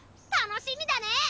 楽しみだね！